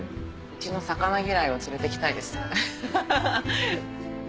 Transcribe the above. うちの魚嫌いを連れてきたいですハハハ！